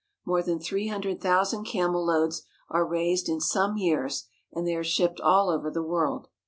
More than three hundred thousand camel loads are raised in some years, and they are shipped all over the world.